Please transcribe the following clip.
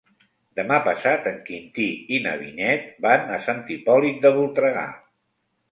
Demà passat en Quintí i na Vinyet van a Sant Hipòlit de Voltregà.